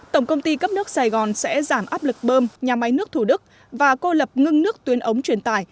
tổng công ty cấp nước sài gòn sẽ giảm áp lực bơm nhà máy nước thủ đức và cô lập ngưng nước tuyến ống truyền tải